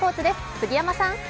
杉山さん。